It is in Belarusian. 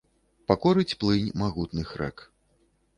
Пакорыць плынь магутных рэк.